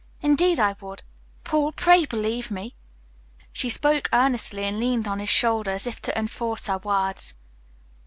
Indeed I would, Paul, pray believe me." She spoke earnestly, and leaned on his shoulder as if to enforce her words.